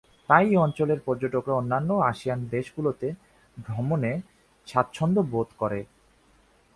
তাই এই অঞ্চলের পর্যটকরা অন্যান্য আসিয়ান দেশগুলোতে ভ্রমণে স্বাচ্ছন্দ্য বোধ করে।